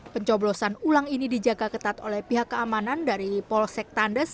pencoblosan ulang ini dijaga ketat oleh pihak keamanan dari polsek tandes